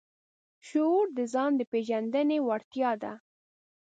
شعور د ځان د پېژندنې وړتیا ده.